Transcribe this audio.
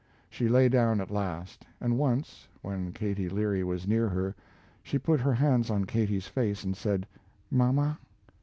She lay down at last, and once, when Katie Leary was near her, she put her hands on Katie's face and said, "mama."